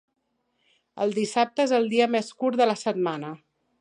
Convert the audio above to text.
El dissabte és el dia més curt de la setmana.